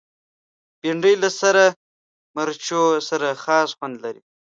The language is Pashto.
بېنډۍ له سرې مرچو سره خاص خوند لري